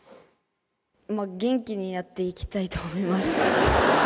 元気にやっていきたいと思います。